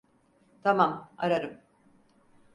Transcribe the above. Tamam, ararım.